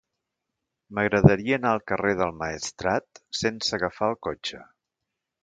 M'agradaria anar al carrer del Maestrat sense agafar el cotxe.